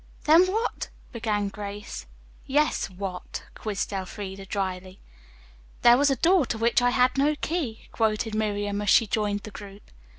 "Then what " began Grace. "Yes, what?" quizzed Elfreda dryly. "'There was a door to which I had no key,'" quoted Miriam, as she joined the group.